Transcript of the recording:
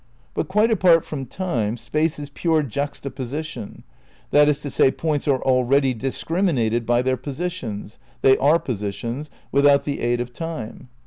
But quite apart from Time, Space is pure juxtaposition ; that is to say, points are already discriminated by their positions — they are positions — without the aid of Time.